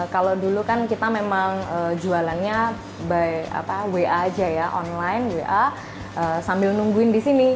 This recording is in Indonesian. kalau dulu kan kita memang jualannya wa aja ya online wa sambil nungguin di sini